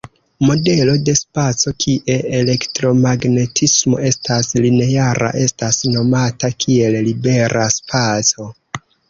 Modelo de spaco kie elektromagnetismo estas lineara estas nomata kiel libera spaco.